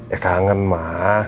ya kangen ma